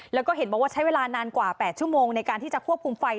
แล้วก็เห็นบอกว่าใช้เวลานานกว่า๘ชั่วโมงในการที่จะควบคุมไฟ